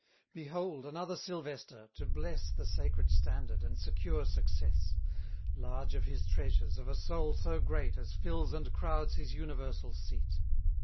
Behold another Sylvester, to bless The sacred standard, and secure success; Large of his treasures, of a soul so great, As fills and crowds his universal seat.